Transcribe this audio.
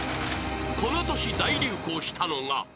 ［この年大流行したのが］